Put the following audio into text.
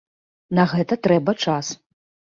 На гэта трэба час.